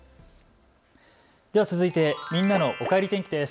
では続いてみんなのおかえり天気です。